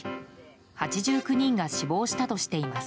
８９人が死亡したとしています。